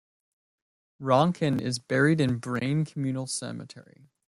Ranken is buried in Braine Communal Cemetery.